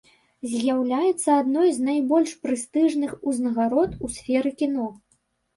З'яўляецца адной з найбольш прэстыжных узнагарод у сферы кіно.